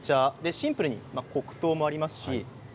シンプルに黒糖もあります。